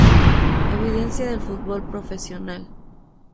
Evidencia del fútbol profesional"".